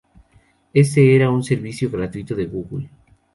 Este era un servicio gratuito de Google.